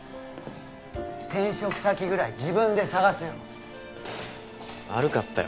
転職先ぐらい自分で探すよ悪かったよ